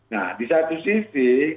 nah di satu sisi